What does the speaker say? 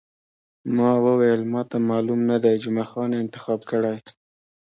ما وویل، ما ته معلوم نه دی، جمعه خان انتخاب کړی.